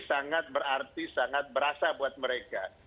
sangat berarti sangat berasa buat mereka